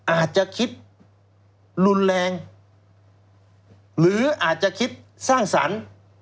อาจจะคิดรุนแรงหรืออาจจะคิดสร้างสรรค์